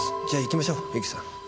じゃあ行きましょうゆきさん。